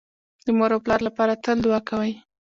د مور او پلار لپاره تل دوعا کوئ